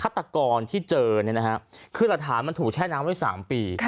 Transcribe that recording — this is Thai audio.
ฆาตกรที่เจอคือหลักฐานมันถูกแช่น้ำด้วย๓ปี